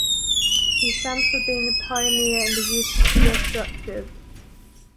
He stands for being a pioneer in the use of steel structures.